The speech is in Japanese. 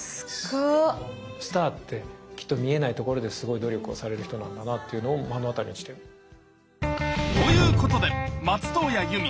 スターってきっと見えないところですごい努力をされる人なんだなっていうのを目の当たりにしてる。ということで松任谷由実